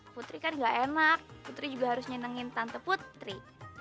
putri kan gak enak putri juga harus nyenengin tante putri